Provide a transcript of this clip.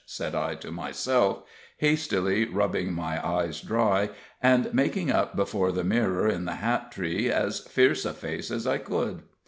said I to myself, hastily rubbing my eyes dry, and making up before the mirror in the hat tree as fierce a face as I could.